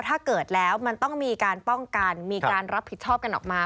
ถ้าเกิดแล้วมันต้องมีการป้องกันมีการรับผิดชอบกันออกมา